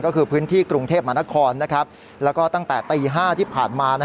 ก็คือพื้นที่กรุงเทพมหานครแล้วก็ตั้งแต่ตี๕ที่ผ่านมา